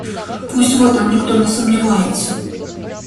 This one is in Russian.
Пусть в этом никто не сомневается.